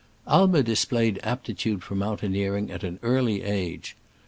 Aimer displayed aptitude for moun taineering at an early age.